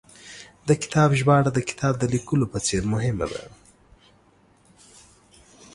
د کتاب ژباړه، د کتاب د لیکلو په څېر مهمه ده